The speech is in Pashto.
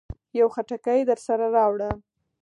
يو خټکی درسره راوړه.